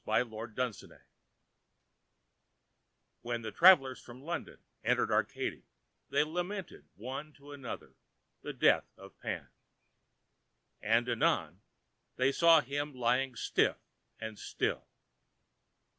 THE DEATH OF PAN When the travellers from London entered Arcady they lamented one to another the death of Pan. And anon they saw him lying stiff and still.